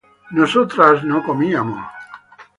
nosotras no comíamos